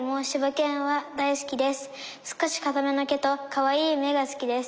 少しかための毛とかわいい目が好きです」。